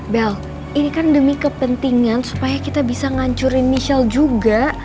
bel ini kan demi kepentingan supaya kita bisa ngancurin michelle juga